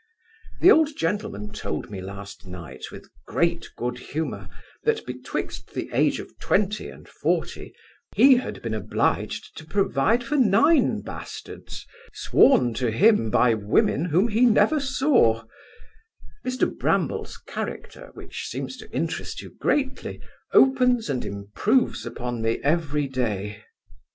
The old gentleman told me last night, with great good humour, that betwixt the age of twenty and forty, he had been obliged to provide for nine bastards, sworn to him by women whom he never saw Mr Bramble's character, which seems to interest you greatly, opens and improves upon me every day.